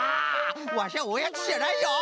わしゃおやつじゃないよ。